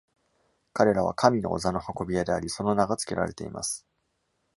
彼らは神の御座の運び屋であり、その名が付けられています。